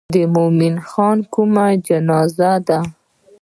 د مومن خان کومه جنازه ده.